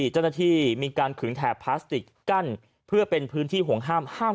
เจ้าหน้าที่มีการขึงแถบพลาสติกกั้นเพื่อเป็นพื้นที่ห่วงห้าม